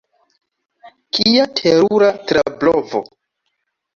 Kia terura trablovo!